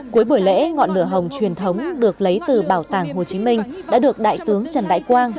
cuối buổi lễ ngọn lửa hồng truyền thống được lấy từ bảo tàng hồ chí minh đã được đại tướng trần đại quang